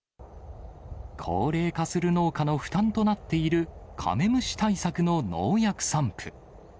高齢化する農家の負担となっているカメムシ対策の農薬散布。